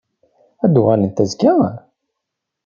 Ad n-uɣalent azekka?